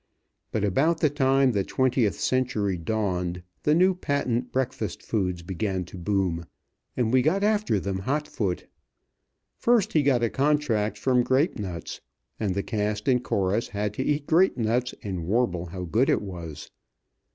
But about the time the twentieth century dawned, the new patent breakfast foods began to boom; and we got after them hotfoot. First he got a contract from Grape nuts, and the cast and chorus had to eat Grape nuts and warble how good it was.